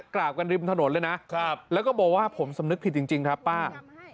กราบกันริมถนนเลยนะแล้วก็บอกว่าผมสำนึกผิดจริงครับป้า